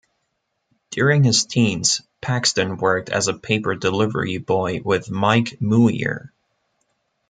During his teens, Paxton worked as a paper delivery boy with Mike Muir.